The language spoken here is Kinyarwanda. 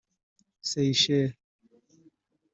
Seychelles